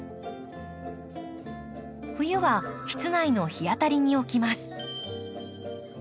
冬は室内の日当たりに置きます。